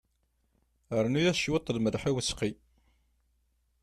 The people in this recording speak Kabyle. Rnu-yas cwiṭ n lmelḥ i useqqi.